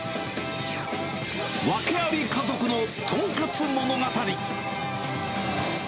ワケあり家族のとんかつ物語。